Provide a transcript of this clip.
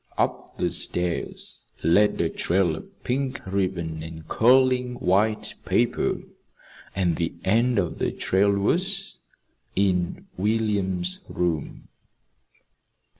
Up the stairs led a trail of pink ribbon and curling white paper and the end of the trail was in William's room.